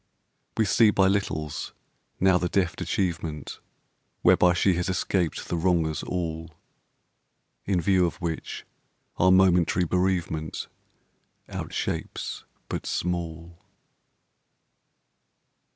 We see by littles now the deft achievement Whereby she has escaped the Wrongers all, In view of which our momentary bereavement Outshapes but small.